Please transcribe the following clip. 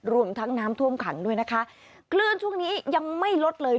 รวมทั้งน้ำท่วมขังด้วยนะคะคลื่นช่วงนี้ยังไม่ลดเลย